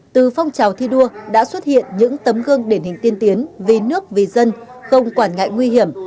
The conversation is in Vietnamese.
từ phong trào thi đua đã xuất hiện những tấm gương điển hình tiên tiến vì nước vì dân không quản ngại nguy hiểm